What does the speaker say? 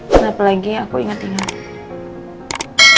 kenapa lagi aku ingat ingat